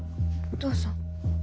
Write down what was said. どうぞ。